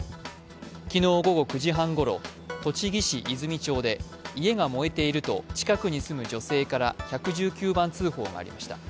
昨日午後９時半ごろ、栃木市泉町で家が燃えていると近くに住む女性から１１９番通報がありました。